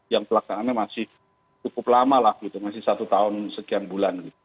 yang pelaksanaannya masih cukup lama lagi masih satu tahun sekian bulan